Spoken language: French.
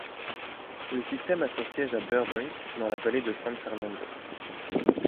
Le système a son siège à Burbank, dans la vallée de San Fernando.